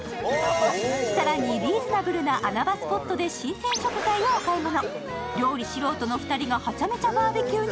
更にリーズナブルな穴場スポットで新鮮食材をお買い物。